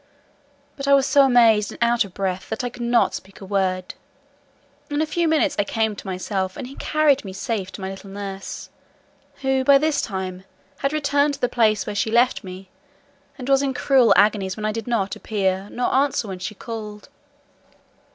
but I was so amazed and out of breath, that I could not speak a word. In a few minutes I came to myself, and he carried me safe to my little nurse, who, by this time, had returned to the place where she left me, and was in cruel agonies when I did not appear, nor answer when she called.